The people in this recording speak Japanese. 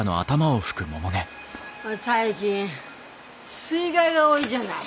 最近水害が多いじゃない？